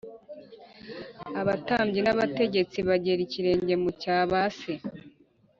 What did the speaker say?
abatambyi n’abategetsi bageraga ikirenge mu cya ba se